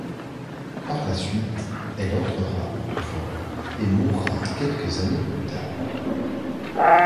Par la suite, elle entrera au couvent et mourra quelques années plus tard.